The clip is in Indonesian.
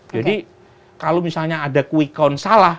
jadi kalau misalnya ada quay count salah